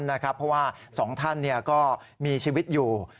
เพราะว่าสองท่านก็มีชีวิตอยู่